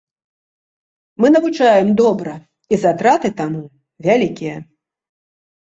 Мы навучаем добра і затраты таму вялікія.